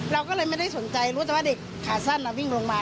เราก็เลยไม่ได้สนใจรู้แต่ว่าเด็กขาสั้นวิ่งลงมา